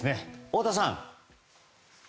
太田さん。